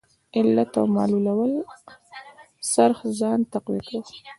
علت او معلول څرخ ځان تقویه کاوه.